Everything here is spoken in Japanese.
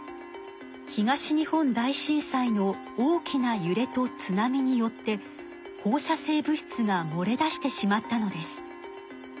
東日本大震災の大きなゆれと津波によって放射性物質がもれ出してしまったのです。